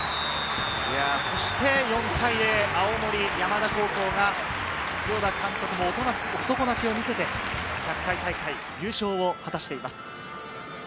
そして４対０、青森山田高校が黒田監督も男泣きを見せて、１００回大会優勝を果たしています。